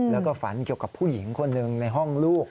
แล้วก็ฝันเกี่ยวกับผู้หญิงคนหนึ่งในห้องลูก